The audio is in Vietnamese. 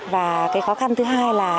và cái khó khăn thứ hai là